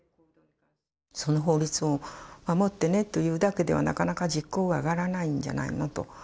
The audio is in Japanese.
その法律を守ってねというだけではなかなか実効は上がらないんじゃないの？と。